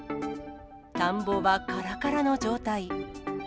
田んぼはからからの状態。